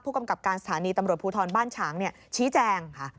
กำกับการสถานีตำรวจภูทรบ้านฉางชี้แจงค่ะ